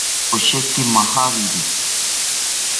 Osheki majawiri